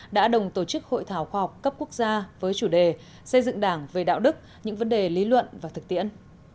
đã đồng tổ chức hội thảo khoa học cấp quốc gia với chủ đề xây dựng đảng về đạo đức những vấn đề lý luận và thực tiễn